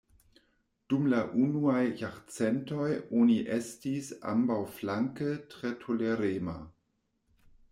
Dum la unuaj jarcentoj oni estis ambaŭflanke tre tolerema.